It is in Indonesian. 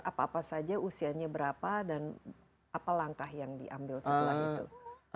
apa apa saja usianya berapa dan apa langkah yang diambil setelah itu